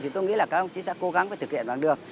thì tôi nghĩ là các ông chí sẽ cố gắng và thực hiện bằng được